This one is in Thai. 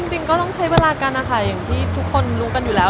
จริงก็ต้องใช้เวลากันนะคะอย่างที่ทุกคนรู้กันอยู่แล้ว